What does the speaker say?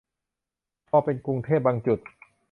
พอเป็นกรุงเทพบางจุด